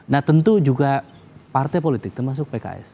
nah tentu juga partai politik termasuk pks